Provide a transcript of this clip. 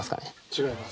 違います